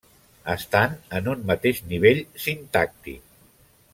Estan en un mateix nivell sintàctic.